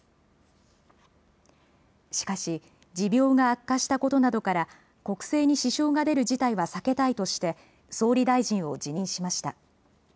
しかし、持病が悪化したことなどから国政に支障が出る事態は避けたいとして総理大臣を辞任しました。